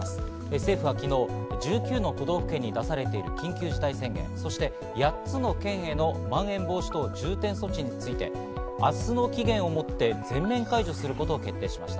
政府は昨日、１９の都道府県に出されている緊急事態宣言、そして８つの県へのまん延防止等重点措置について、明日の期限を持って全面解除することを決定しました。